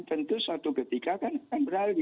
tentu suatu ketika kan akan beralih